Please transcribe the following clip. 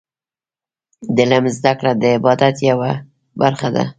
د علم زده کړه د عبادت یوه برخه ده.